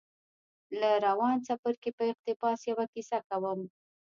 له روان څپرکي په اقتباس يوه کيسه کوم.